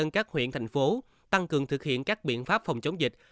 các huyện thành phố tăng cường thực hiện các biện pháp phòng chống dịch